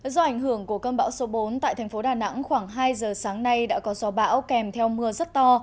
do ảnh hưởng của cơn bão số bốn tại thành phố đà nẵng khoảng hai giờ sáng nay đã có gió bão kèm theo mưa rất to